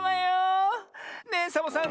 ねえサボさん